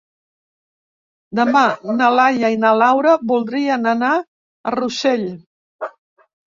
Demà na Laia i na Laura voldrien anar a Rossell.